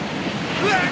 うわっ！